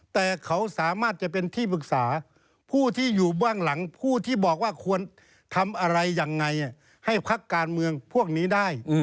แต่เขาสามารถจะเป็นที่ปรึกษาผู้ที่อยู่เบื้องหลังผู้ที่บอกว่าควรทำอะไรยังไงให้พักการเมืองพวกนี้ได้